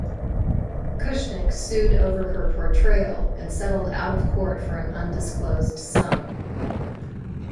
Kushnick sued over her portrayal, and settled out of court for an undisclosed sum.